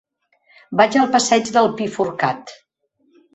Vaig al passeig del Pi Forcat.